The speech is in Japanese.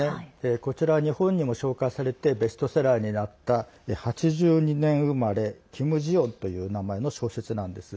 こちらの本にもなってベストセラーになった「８２年生まれ、キム・ジヨン」という小説なんです。